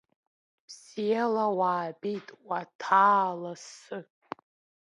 Бзиала уаабеит, уаҭаа лассы!